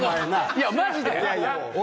いやマジで。